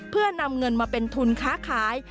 เพื่อนำเงินมาเป็นทุนค้าขาย